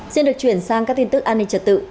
xin được chuyển sang các tin tức an ninh trật tự